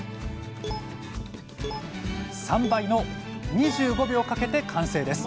３倍の２５秒かけて完成です。